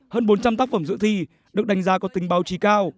hơn bốn trăm linh tác phẩm dự thi được đánh giá có tính báo chí cao